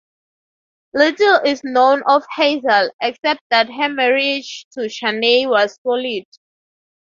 Little is known of Hazel, except that her marriage to Chaney was solid.